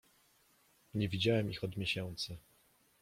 "Nie widziałem ich od miesięcy."